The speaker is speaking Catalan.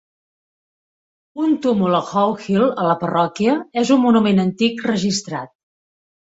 Un túmul a Howe Hill, a la parròquia, és un monument antic registrat.